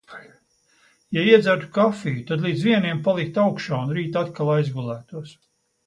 Ja iedzertu kafiju, tad līdz vieniem paliktu augšā un rīt atkal aizgulētos.